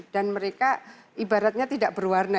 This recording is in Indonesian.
dan mereka ibaratnya tidak berwarna